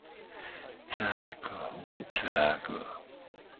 ざーこ、ざーこ